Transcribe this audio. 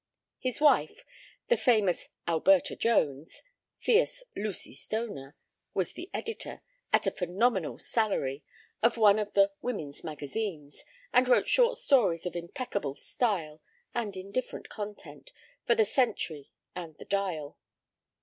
His wife, the famous "Alberta Jones," fierce Lucy Stoner, was the editor, at a phenomenal salary, of one of the "Woman's Magazines," and wrote short stories of impeccable style and indifferent content for the Century and the Dial.